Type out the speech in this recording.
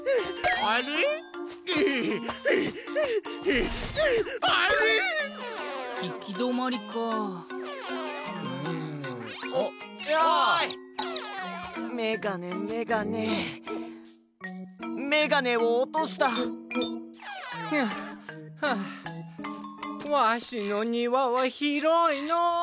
わしのにわはひろいのう！